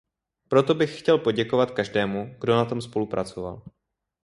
Proto bych chtěl poděkovat každému, kdo na tom spolupracoval.